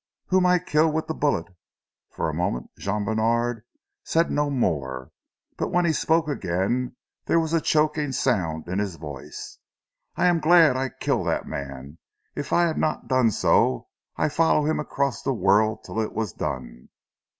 "Whom I keel with the bullet!" For a moment Jean Bènard said no more, but when he spoke again there was a choking sound in his voice. "I am glad I keel dat man! eef I haf not done so, I follow heem across zee world till it was done."